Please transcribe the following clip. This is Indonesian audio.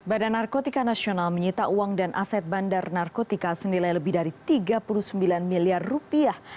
badan narkotika nasional menyita uang dan aset bandar narkotika senilai lebih dari tiga puluh sembilan miliar rupiah